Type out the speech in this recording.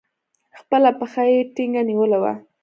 خپله پښه يې ټينگه نيولې وه.